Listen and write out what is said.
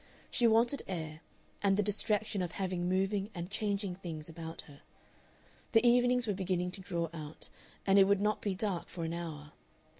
She wanted air and the distraction of having moving and changing things about her. The evenings were beginning to draw out, and it would not be dark for an hour.